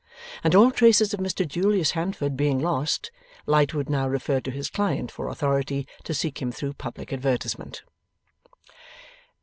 And all traces of Mr Julius Handford being lost, Lightwood now referred to his client for authority to seek him through public advertisement.